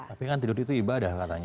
tapi kan tidur itu ibadah katanya